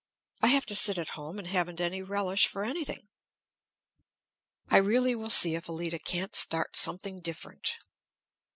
I have to sit at home and haven't any relish for anything. I really will see if Allida can't start something different."